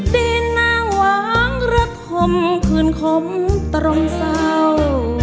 ดินนางหวางรักข่มขื่นข่มตรงเศร้า